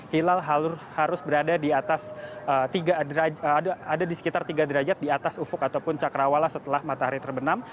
hilal harus berada di sekitar tiga derajat di atas ufuk ataupun cakrawala setelah matahari terbenam